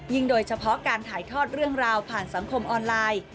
โดยเฉพาะการถ่ายทอดเรื่องราวผ่านสังคมออนไลน์